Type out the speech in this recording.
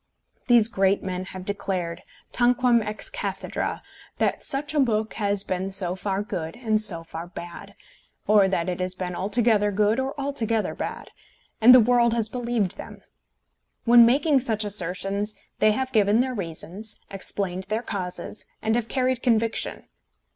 These great men have declared, tanquam ex cathedra, that such a book has been so far good and so far bad, or that it has been altogether good or altogether bad; and the world has believed them. When making such assertions they have given their reasons, explained their causes, and have carried conviction.